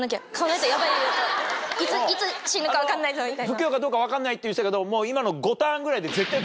不器用かどうか分かんないって言ってたけど。